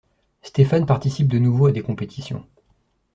Stéphane participe de nouveau à des compétitions.